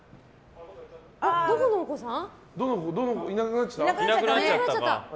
どこのお子さん？